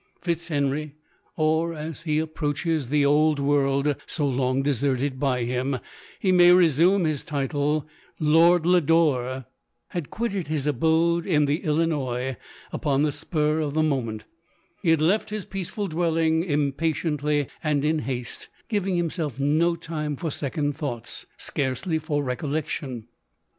Fitzhenry — or as he approaches the old world, so long deserted by him, he may re sume his title — Lord Lodore had quitted his abode in the Illinois upon the spur of the mo ment ; he had left his peaceful dwelling im patiently, and in haste, giving himself no time for second thoughts — scarcely for recollection.